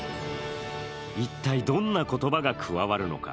一体どんな言葉が加わるのか。